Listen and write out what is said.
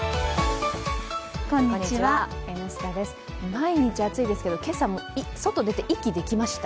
毎日暑いですけど、今朝、外に出て息できました？